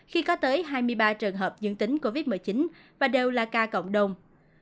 khi có tới hai mươi ba trường hợp dương tính covid một mươi chín và đều là ca cộng đồng